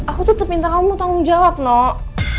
aku tuh minta kamu tanggung jawab noh